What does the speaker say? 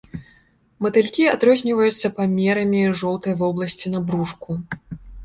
Матылькі адрозніваюцца памерамі жоўтай вобласці на брушку.